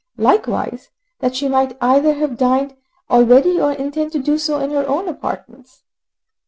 Likewise that she might either have dined already or intend to do so in her own apartments.